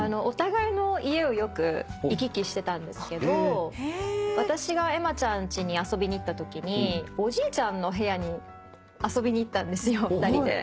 お互いの家をよく行き来してたんですけど私がエマちゃんちに遊びに行ったときにおじいちゃんの部屋に遊びに行ったんですよ２人で。